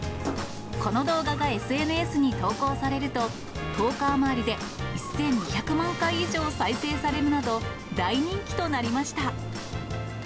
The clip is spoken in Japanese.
この動画がＳＮＳに投稿されると、１０日余りで１２００万回以上再生されるなど、大人気となりました。